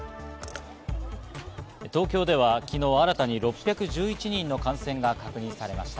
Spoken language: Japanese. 東京では昨日、新たに６１１人の感染が確認されました。